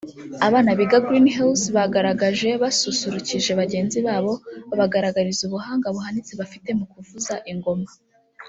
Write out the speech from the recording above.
Abana biga Green hills bagaragaje basusurukije bagenzi babo babagaragariza ubuhanga buhanitse bafite mu kuvuza ingoma